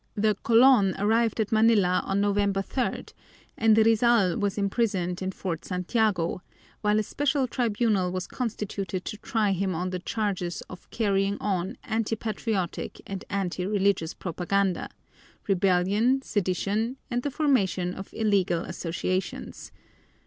The Colon arrived at Manila on November third and Rizal was imprisoned in Fort Santiago, while a special tribunal was constituted to try him on the charges of carrying on anti patriotic and anti religious propaganda, rebellion, sedition, and the formation of illegal associations.